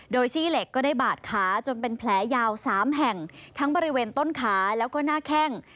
โดยซี่เหล็กก็ได้บาดขาจนเป็นแผลยาว๓แห่งทั้งบริเวณต้นขาแล้วก็หน้าแข้ง